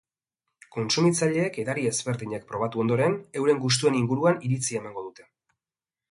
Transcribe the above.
Kontsumitzaileek edari ezberdinak probatu ondoren, euren gustuen inguruan iritzia emango dute.